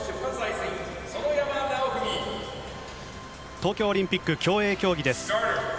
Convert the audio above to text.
東京オリンピック競泳競技です。